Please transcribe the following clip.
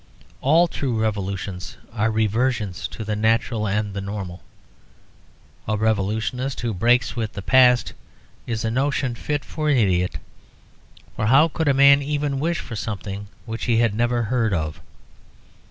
All true revolutions are reversions to the natural and the normal. A revolutionist who breaks with the past is a notion fit for an idiot. For how could a man even wish for something which he had never heard of?